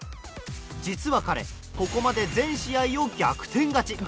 実は彼ここまで全試合を逆転勝ち。